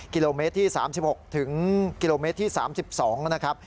กิโลเมตรที่๓๖ถึงกิโลเมตรที่๓๒นะครับ